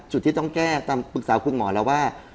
จุดที่ต้องแก้ปรึกษาคุณหมอแล้วว่า